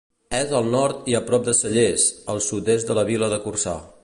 És al nord i a prop de Cellers, al sud-est de la Via de Corçà.